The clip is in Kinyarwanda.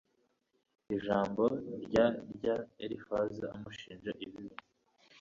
Ijambo rya rya Elifazi amushinja ibibi